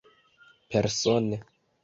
Persone.